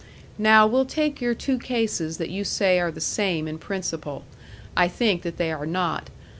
Now we'll take your two cases that you say are the same in principle. I think that they are not.